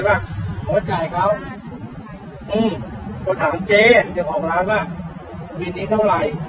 ไม่รู้ซื้อผมไม่มีอะไร